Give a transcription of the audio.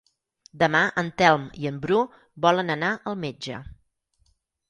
Demà en Telm i en Bru volen anar al metge.